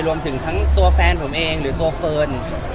รวมถึงทั้งตัวแฟนผมเองหรือตัวเฟิร์น